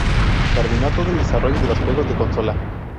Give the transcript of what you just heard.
Terminó todo el desarrollo de juegos de consola.